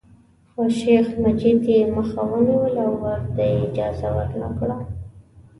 خو شیخ مجید یې مخه ونیوله او ورته یې اجازه ورنکړه.